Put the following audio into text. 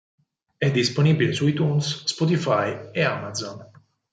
È disponibile su iTunes, Spotify e Amazon.